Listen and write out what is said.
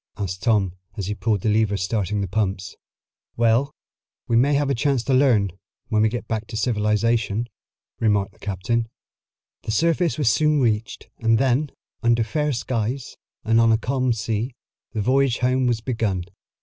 asked Tom as he pulled the lever starting the pumps. "Well, we may have a chance to learn, when we get back to civilization," remarked the captain. The surface was soon reached, and then, under fair skies, and on a calm sea, the voyage home was begun.